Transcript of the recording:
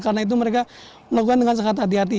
karena itu mereka melakukan dengan sangat hati hati